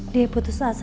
dia putus asa